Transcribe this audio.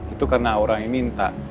itu karena orang yang minta